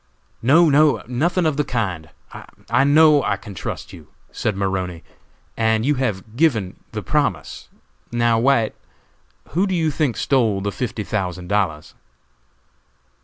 "No, no, nothing of the kind! I know I can trust you!" said Maroney, "and you have given the promise. Now, White, who do you think stole the fifty thousand dollars?"